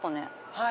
はい。